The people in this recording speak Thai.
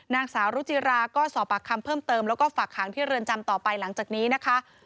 นางสาวรุจิราก็สอบปากคำเพิ่มเติมแล้วก็ฝากหางที่เรือนจำต่อไปหลังจากนี้นะคะ